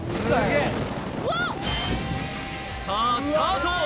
さあスタート！